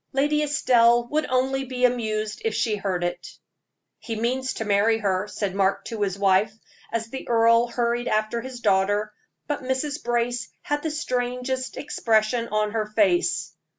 Lady Estelle would only be amused if she heard it." "He means to marry her," said Mark to his wife, as the earl hurried after his daughter; but Mrs. Brace had the strangest expression on her face.